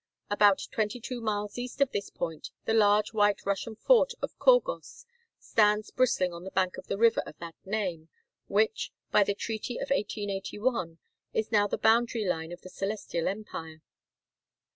About twenty two miles east of this point the large white Russian fort of Khorgos stands bristling on the bank of the river of that name, which, by the treaty of 1881, is now the boundary line of the Celestial empire.